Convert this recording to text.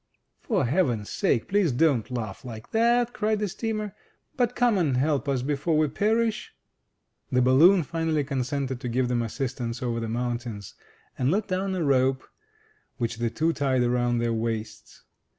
"For heaven's sake, please don't laugh like that," cried the steamer, "but come and help us, before we perish!" The balloon finally consented to give them assistance over the mountains, and let down a rope, which the two tied around their waists.